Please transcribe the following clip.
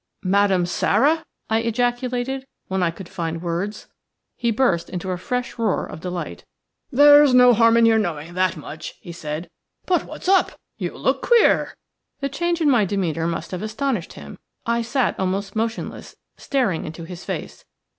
"Madame Sara!" I ejaculated, when I could find words. He burst into a fresh roar of delight. "There's no harm in your knowing that much," he said. "But what's up? You look queer." The change in my demeanour must have astonished him. I sat almost motionless, staring into his face.